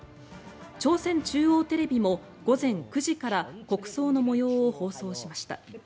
朝鮮中央テレビも午前９時から国葬の模様を放送しました。